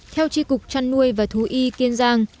theo tri cục trăn nuôi và thú y kiên giang